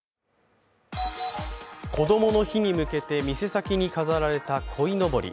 こどもの日に向けて店先に飾られたこいのぼり。